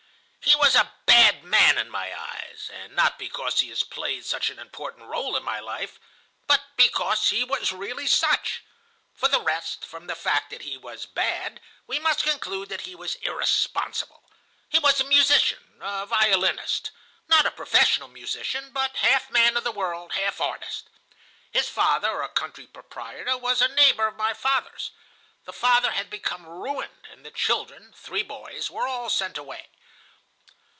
"He was a bad man in my eyes, and not because he has played such an important rôle in my life, but because he was really such. For the rest, from the fact that he was bad, we must conclude that he was irresponsible. He was a musician, a violinist. Not a professional musician, but half man of the world, half artist. His father, a country proprietor, was a neighbor of my father's. The father had become ruined, and the children, three boys, were all sent away.